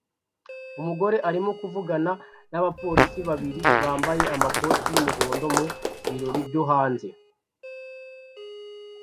Umugore arimo kuvugana n'abapolisi babiri bambaye amakoti y'umuhondo mu birori byo hanze